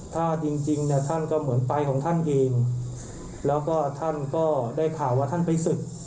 ถ้าจริงจริงเนี่ยท่านก็เหมือนไปของท่านเองแล้วก็ท่านก็ได้ข่าวว่าท่านไปศึก